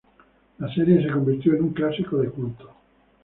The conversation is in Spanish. La serie se convirtió en un clásico de culto.